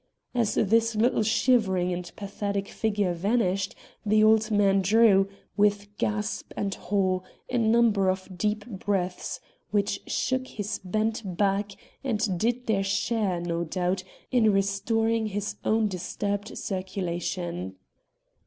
As this little shivering and pathetic figure vanished, the old man drew, with gasp and haw, a number of deep breaths which shook his bent back and did their share, no doubt, in restoring his own disturbed circulation.